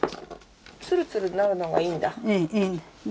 ツルツルなるのがいいんだ。